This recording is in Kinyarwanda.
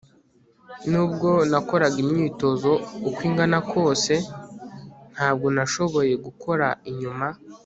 nubwo nakoraga imyitozo uko ingana kose, ntabwo nashoboye gukora inyuma